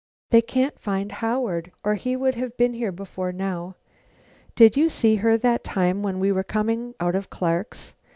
"They can't find Howard, or he would have been here before now. Did you see her that time when we were coming out of Clark's?